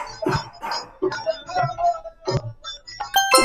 যে পদ্ধতিতে আমি সচেতন, তা হলো পথানুসরণ এবং ভুল!